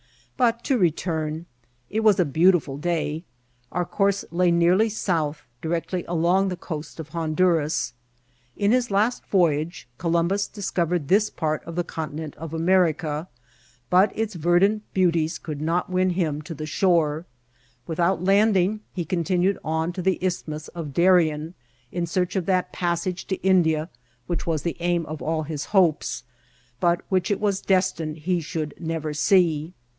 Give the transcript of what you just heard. But to return. It was a beautifrd day. Our course lay nearly south, directly along the coast of Honduras. In his last voyage Columbus discovered this part of the Continent of America, but its verdant beauties could not win Mm to the shore. Without landing, he con* tinned on to the Isthmus of Darien, in search of that passage to India which was the aim of all his hopes, but which it was destined he should never see.